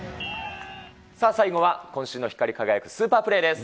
さあ、最後は今週の光輝くスーパープレーです。